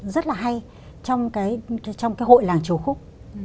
rất là hay trong cái hội làng triều khúc